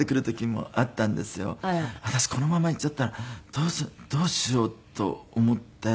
私このままいっちゃったらどうしようと思って。